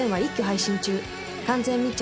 『完全密着！